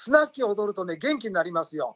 踊るとね元気になりますよ。